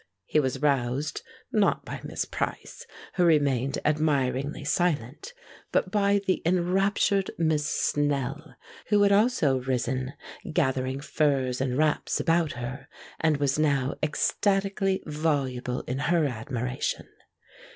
He was roused, not by Miss Price, who remained admiringly silent, but by the enraptured Miss Snell, who had also risen, gathering furs and wraps about her, and was now ecstatically voluble in her admiration.